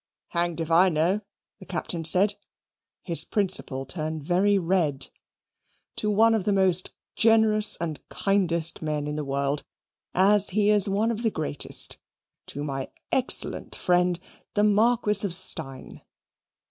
"Hanged if I know," the Captain said; his principal turned very red. "To one of the most generous and kindest men in the world, as he is one of the greatest to my excellent friend, the Marquis of Steyne."